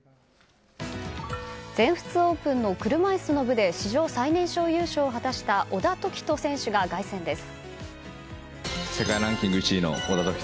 全仏オープンの車椅子の部で史上最年少優勝を果たした小田凱人選手が凱旋です。